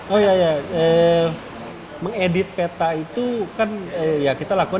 oh iya mengedit peta itu kan kita lakukan